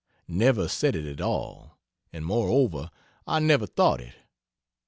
Never said it at all, and moreover I never thought it.